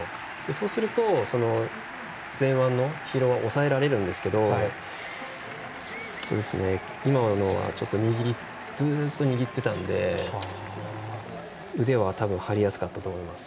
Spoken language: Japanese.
そうすると前腕の疲労を抑えられるんですけど今のは、ちょっとずっと握ってたんで腕は張りやすかったと思います。